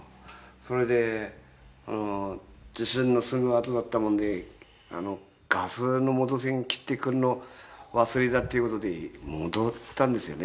それで地震のすぐあとだったもんでガスの元栓切ってくるの忘れたっていうことで戻ったんですよね